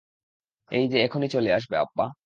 এই যে এখনই চলে আসবে, আব্বা!